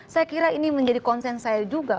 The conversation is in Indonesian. saya kira ini menjadi konsen saya juga